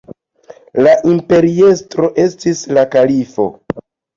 La imperiestro estis la kalifo.